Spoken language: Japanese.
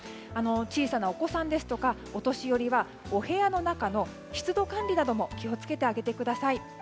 小さなお子さんですとかお年寄りは、お部屋の中の湿度管理なども気を付けてあげてください。